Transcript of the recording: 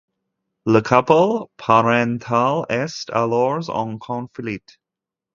Le couple parental est alors en conflit.